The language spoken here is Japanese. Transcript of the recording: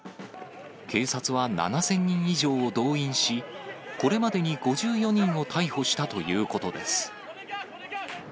警察は７０００人以上を動員し、これまでに５４人を逮捕したということです。